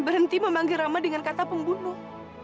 berhenti memanggil rama dengan kata pembunuh